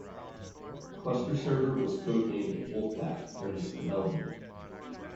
Cluster Server was codenamed "Wolfpack" during its development.